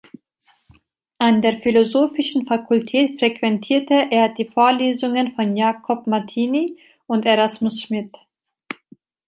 An der philosophischen Fakultät frequentierte er die Vorlesungen von Jakob Martini und Erasmus Schmidt.